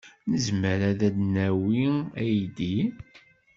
Nezmer ad d-nawi aydi?